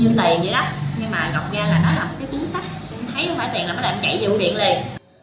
nhưng mà gọng ra là đã làm cái cuốn sách thấy không phải tiền là mới làm chạy biêu điện liền